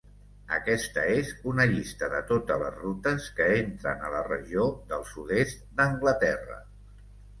Aquesta és una llista de totes les rutes que entren a la regió del sud-est d'Anglaterra.